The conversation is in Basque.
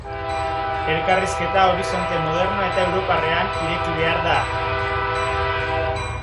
Elkarrizketa horizonte moderno eta europarrean ireki behar da.